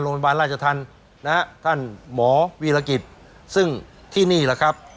โรงพยาบาลราชธรรมนะฮะท่านหมอวีรกิจซึ่งที่นี่แหละครับ